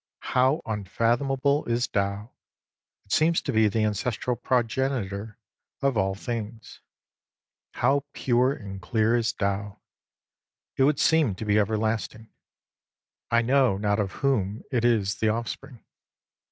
How unfathomable is Tao ! It seems to be the ancestral progenitor of all things. How pure and clear is Tao ! It would seem to be everlast ing. I know not of whom it is the offspring.